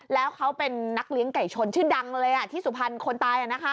แล้วเขาเป็นนักเลี้ยงไก่ชนชื่อดังเลยที่สุพรรณคนตาย